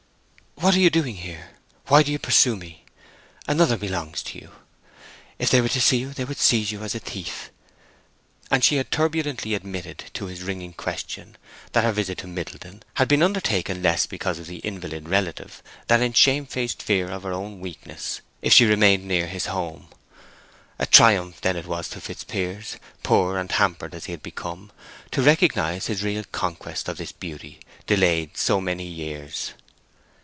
"What are you doing here? Why do you pursue me? Another belongs to you. If they were to see you they would seize you as a thief!" And she had turbulently admitted to his wringing questions that her visit to Middleton had been undertaken less because of the invalid relative than in shamefaced fear of her own weakness if she remained near his home. A triumph then it was to Fitzpiers, poor and hampered as he had become, to recognize his real conquest of this beauty, delayed so many years.